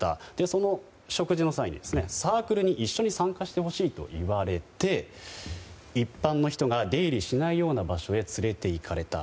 その食事の際にサークルに一緒に参加してほしいと言われて一般の人が出入りしないような場所へ連れていかれた。